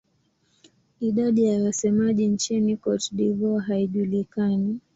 Idadi ya wasemaji nchini Cote d'Ivoire haijulikani.